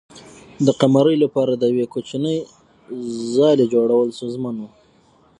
د قمرۍ لپاره د یوې کوچنۍ ځالۍ جوړول ستونزمن و.